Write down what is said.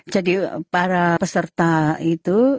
jadi para peserta itu